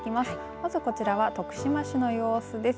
まずこちらは徳島市の様子です。